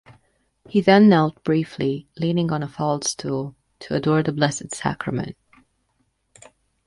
He then knelt briefly, leaning on a faldstool, to adore the Blessed Sacrament.